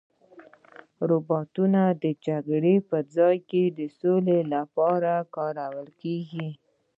روبوټونه د جګړې په ځای د سولې لپاره کارېږي.